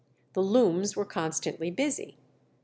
The looms were constantly busy.